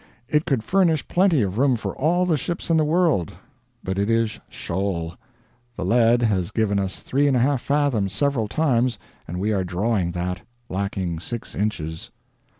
It could furnish plenty of room for all the ships in the world, but it is shoal. The lead has given us 3 1/2 fathoms several times and we are drawing that, lacking 6 inches.